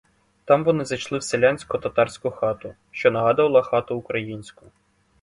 Там вони зайшли в селянську татарську хату, що нагадувала хату українську.